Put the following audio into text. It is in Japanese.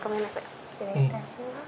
失礼いたします。